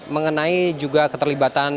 mengenai juga keterlibatan